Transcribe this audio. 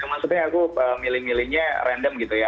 maksudnya aku milih milihnya random gitu ya